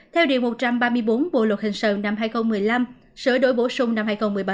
theo điều một trăm ba mươi bốn bộ luật hình sự năm hai nghìn một mươi năm sửa đổi bổ sung năm hai nghìn một mươi bảy